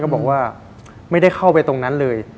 บอกว่าไม่ได้เข้าไปตรงนั้นเลย